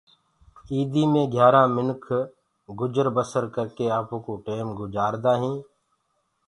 ايِدي مي گھيآرآ منک گجر بسر ڪرڪي آپوڪو ٽيم گُجآردآ هينٚ